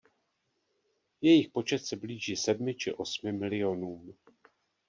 Jejich počet se blíží sedmi či osmi milionům.